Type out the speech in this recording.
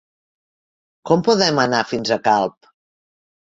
Com podem anar fins a Calp?